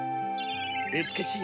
うつくしい